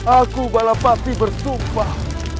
aku balapati bersumpah